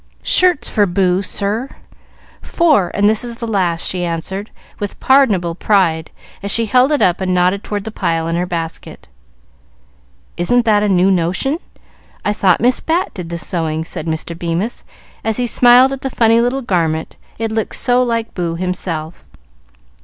"Shirts for Boo, sir. Four, and this is the last," she answered, with pardonable pride, as she held it up and nodded toward the pile in her basket. "Isn't that a new notion? I thought Miss Bat did the sewing," said Mr. Bemis, as he smiled at the funny little garment, it looked so like Boo himself.